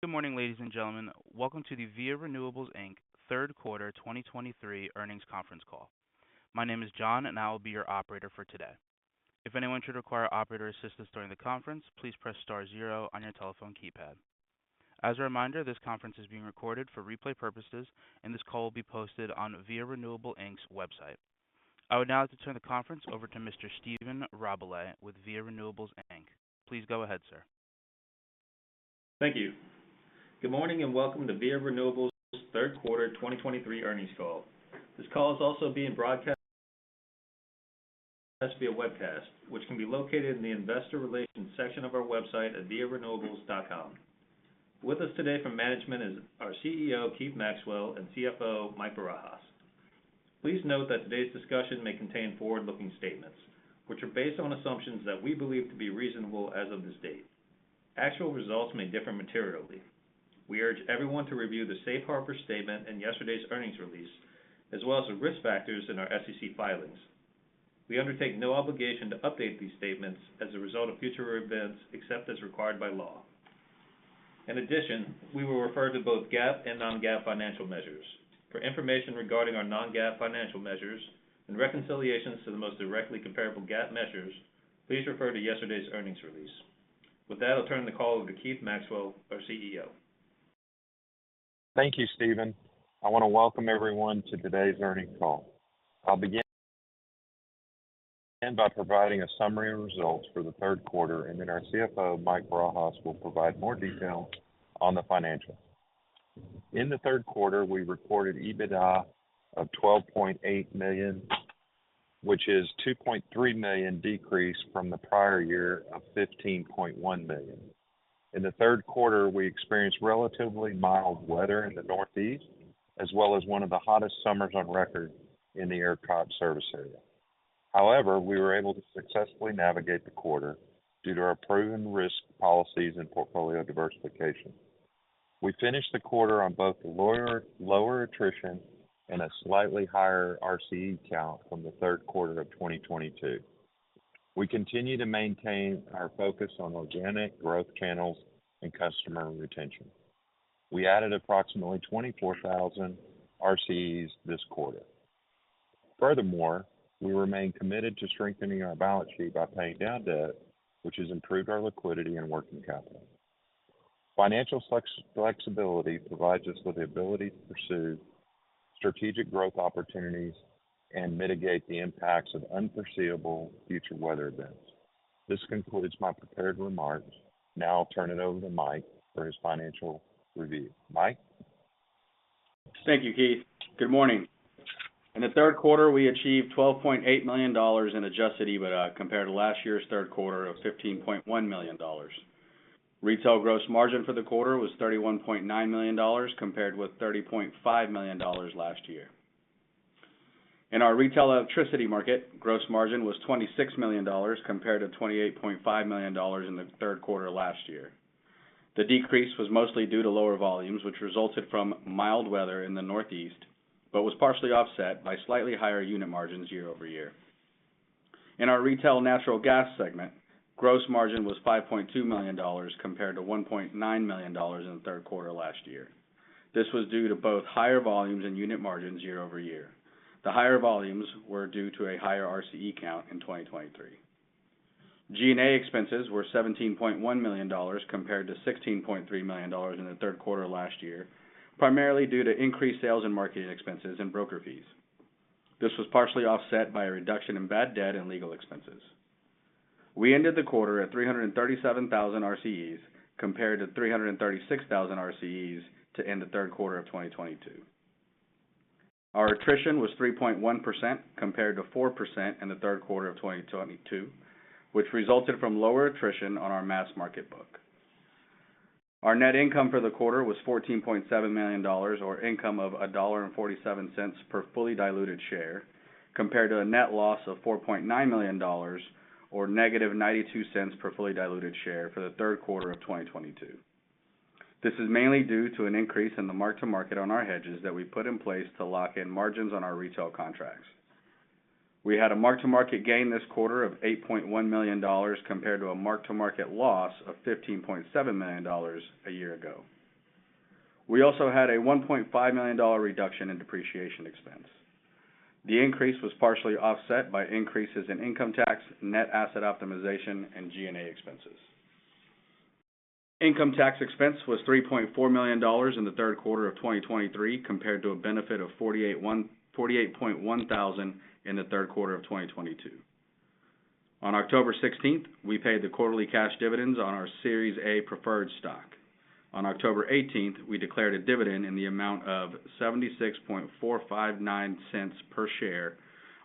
Good morning, ladies and gentlemen. Welcome to the Via Renewables, Inc. third quarter 2023 earnings conference call. My name is John, and I will be your operator for today. If anyone should require operator assistance during the conference, please press star zero on your telephone keypad. As a reminder, this conference is being recorded for replay purposes, and this call will be posted on Via Renewables, Inc.'s website. I would now like to turn the conference over to Mr. Stephen Rabalais with Via Renewables, Inc. Please go ahead, sir. Thank you. Good morning, and welcome to Via Renewables' third quarter 2023 earnings call. This call is also being broadcast via webcast, which can be located in the investor relations section of our website at viarenewables.com. With us today from management is our CEO, Keith Maxwell, and CFO, Mike Barajas. Please note that today's discussion may contain forward-looking statements, which are based on assumptions that we believe to be reasonable as of this date. Actual results may differ materially. We urge everyone to review the safe harbor statement in yesterday's earnings release, as well as the risk factors in our SEC filings. We undertake no obligation to update these statements as a result of future events, except as required by law. In addition, we will refer to both GAAP and non-GAAP financial measures. For information regarding our non-GAAP financial measures and reconciliations to the most directly comparable GAAP measures, please refer to yesterday's earnings release. With that, I'll turn the call over to Keith Maxwell, our CEO. Thank you, Stephen. I want to welcome everyone to today's earnings call. I'll begin by providing a summary of results for the third quarter, and then our CFO, Mike Barajas, will provide more detail on the financials. In the third quarter, we reported EBITDA of $12.8 million, which is $2.3 million decrease from the prior year of $15.1 million. In the third quarter, we experienced relatively mild weather in the Northeast, as well as one of the hottest summers on record in the ERCOT service area. However, we were able to successfully navigate the quarter due to our proven risk policies and portfolio diversification. We finished the quarter on both lower attrition and a slightly higher RCE count from the third quarter of 2022. We continue to maintain our focus on organic growth channels and customer retention. We added approximately 24,000 RCEs this quarter. Furthermore, we remain committed to strengthening our balance sheet by paying down debt, which has improved our liquidity and working capital. Financial flexibility provides us with the ability to pursue strategic growth opportunities and mitigate the impacts of unforeseeable future weather events. This concludes my prepared remarks. Now I'll turn it over to Mike for his financial review. Mike? Thank you, Keith. Good morning. In the third quarter, we achieved $12.8 million in Adjusted EBITDA compared to last year's third quarter of $15.1 million. Retail gross margin for the quarter was $31.9 million, compared with $30.5 million last year. In our retail electricity market, gross margin was $26 million, compared to $28.5 million in the third quarter last year. The decrease was mostly due to lower volumes, which resulted from mild weather in the Northeast, but was partially offset by slightly higher unit margins year-over-year. In our retail natural gas segment, gross margin was $5.2 million, compared to $1.9 million in the third quarter last year. This was due to both higher volumes and unit margins year-over-year. The higher volumes were due to a higher RCE count in 2023. G&A expenses were $17.1 million, compared to $16.3 million in the third quarter last year, primarily due to increased sales and marketing expenses and broker fees. This was partially offset by a reduction in bad debt and legal expenses. We ended the quarter at 337,000 RCEs, compared to 336,000 RCEs to end the third quarter of 2022. Our attrition was 3.1%, compared to 4% in the third quarter of 2022, which resulted from lower attrition on our mass market book. Our net income for the quarter was $14.7 million, or income of $1.47 per fully diluted share, compared to a net loss of $4.9 million or -$0.92 per fully diluted share for the third quarter of 2022. This is mainly due to an increase in the mark-to-market on our hedges that we put in place to lock in margins on our retail contracts. We had a mark-to-market gain this quarter of $8.1 million, compared to a mark-to-market loss of $15.7 million a year ago. We also had a $1.5 million reduction in depreciation expense. The increase was partially offset by increases in income tax, net asset optimization, and G&A expenses. Income tax expense was $3.4 million in the third quarter of 2023, compared to a benefit of $48,100 in the third quarter of 2022. On October 16th, we paid the quarterly cash dividends on our Series A Preferred Stock. On October 18th, we declared a dividend in the amount of $0.76459 per share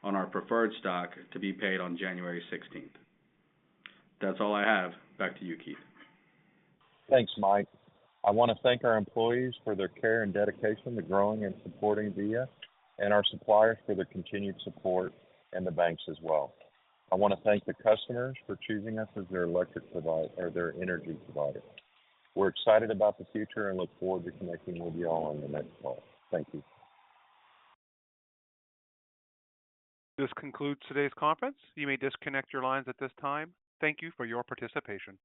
on our preferred stock to be paid on January 16th. That's all I have. Back to you, Keith. Thanks, Mike. I want to thank our employees for their care and dedication to growing and supporting Via, and our suppliers for their continued support, and the banks as well. I want to thank the customers for choosing us as their electric provider or their energy provider. We're excited about the future and look forward to connecting with you all on the next call. Thank you. This concludes today's conference. You may disconnect your lines at this time. Thank you for your participation.